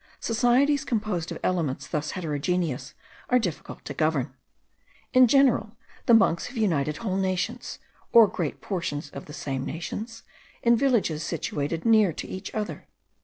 Societies composed of elements thus heterogeneous are difficult to govern. In general, the monks have united whole nations, or great portions of the same nations, in villages situated near to each other.